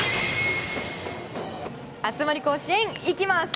熱盛甲子園、いきます。